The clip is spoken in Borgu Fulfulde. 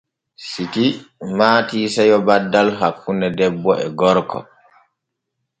Siki maati seyo baddal hakkune debbo e gorko.